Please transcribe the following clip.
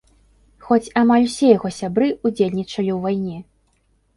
Хоць амаль усе яго сябры ўдзельнічалі ў вайне.